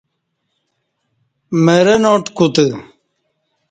مرں ناٹ کُتہ